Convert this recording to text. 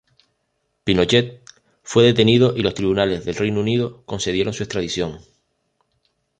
Pinochet fue detenido y los tribunales del Reino Unido concedieron su extradición.